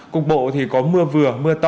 cục bộ thì có mưa vừa mưa to